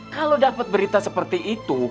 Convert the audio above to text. kalau dapat berita seperti itu